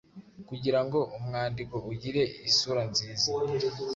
Kugira ngo umwandiko ugire isura nziza,